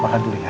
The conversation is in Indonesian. makan dulu ya